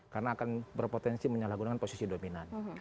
karena akan berpotensi menyalahgunakan posisi dominan